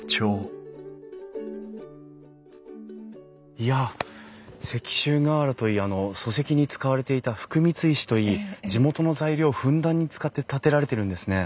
いや石州瓦といい礎石に使われていた福光石といい地元の材料をふんだんに使って建てられてるんですね。